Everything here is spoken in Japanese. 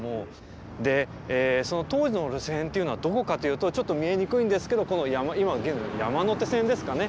その当時の路線というのはどこかというとちょっと見えにくいんですけど今の山手線ですかね。